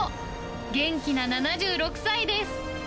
元気な７６歳です。